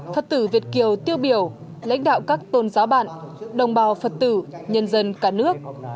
phật tử việt kiều tiêu biểu lãnh đạo các tôn giáo bạn đồng bào phật tử nhân dân cả nước